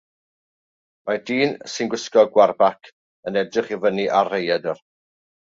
Mae dyn sy'n gwisgo gwarbac yn edrych i fyny ar raeadr.